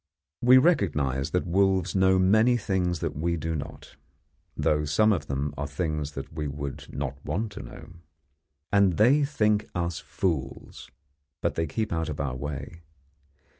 We recognise that wolves know many things that we do not; though some of them are things that we would not want to know. And they think us fools but they keep out of our way.